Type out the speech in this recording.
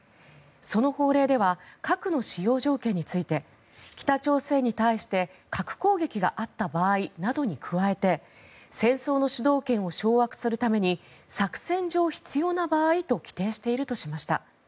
その法令では核の使用条件について北朝鮮に対して核攻撃があった場合などに加えて戦争の主導権を掌握するために作戦上必要な場合と規定しているとしました。